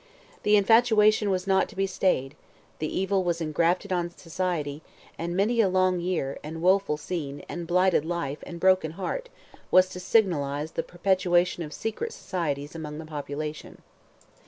The infatuation was not to be stayed; the evil was engrafted on society, and many a long year, and woeful scene, and blighted life, and broken heart, was to signalize the perpetuation of secret societies among the population.